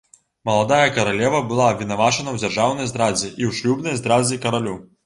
Маладая каралева была абвінавачана ў дзяржаўнай здрадзе і ў шлюбнай здрадзе каралю.